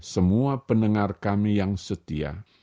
semua pendengar kami yang setia